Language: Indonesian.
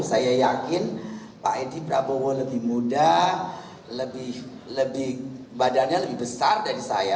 saya yakin pak edi prabowo lebih muda badannya lebih besar dari saya